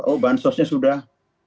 oh bansosnya sudah